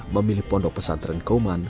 memilih pondok pesantren kauman